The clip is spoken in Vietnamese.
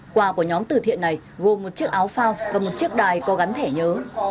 quà của nhóm từ thiện này gồm một chiếc áo phao và một chiếc đài có gắn thẻ nhớ